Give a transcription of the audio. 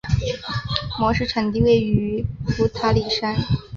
模式产地位于普塔里山。